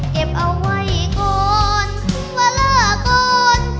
เก็บเอาไว้ก่อนว่าลาก่อน